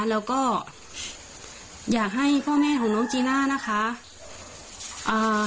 แล้วก็อยากให้พ่อแม่ของน้องจีน่านะคะอ่า